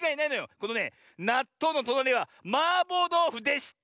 このねなっとうのとなりはマーボーどうふでした！